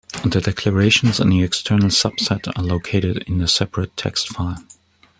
The declarations in the external subset are located in a separate text file.